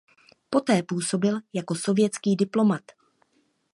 Poté působil jako sovětský diplomat.